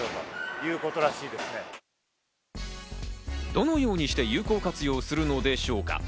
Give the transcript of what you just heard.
どのようにして有効活用するのでしょうか？